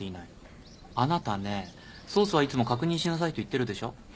あなたねソースはいつも確認しなさいと言ってるでしょ。